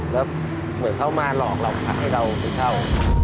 แล้วเข้ามาหลอกเรากล่าวไข้เราเคยเข้า